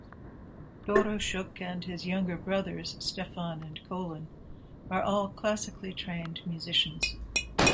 Doroschuk and his younger brothers, Stefan and Colin, are all classically trained musicians.